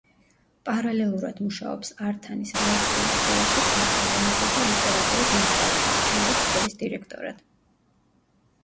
პარალელურად მუშაობს ართანის რვაწლიან სკოლაში ქართული ენისა და ლიტერატურის მასწავლებლად, შემდეგ სკოლის დირექტორად.